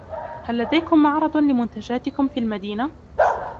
هل لديكم معرض لمنتجاتكم في المدينة ؟